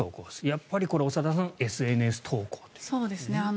やっぱり長田さんＳＮＳ投稿ですね。